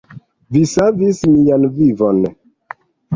Vi savis mian vivon.